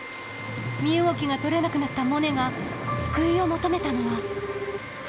身動きが取れなくなったモネが救いを求めたのは。